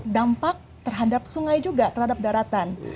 dampak terhadap sungai juga terhadap daratan